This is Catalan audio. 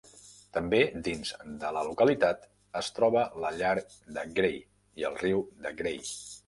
També dins de la localitat es troba la llar De Grey i el riu De Grey.